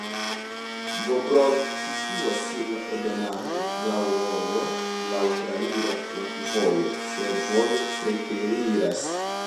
Bodrog situas sur ebenaĵo, laŭ rojo, laŭ traira flankovojo, fervojo preteriras.